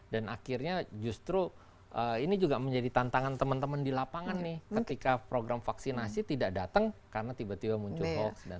dan akhirnya justru ini juga menjadi tantangan teman teman di lapangan nih ketika program vaksinasi tidak datang karena tiba tiba muncul hoaks